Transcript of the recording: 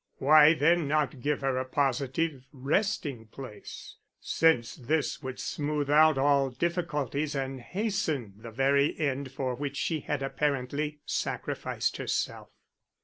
Why then not give her a positive resting place, since this would smooth out all difficulties and hasten the very end for which she had apparently sacrificed herself."